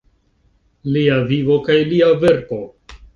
Lia vivo kaj lia verko.